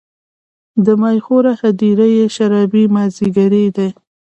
د میخورو هـــــدیره یې شــــــرابي مــــاځیګری دی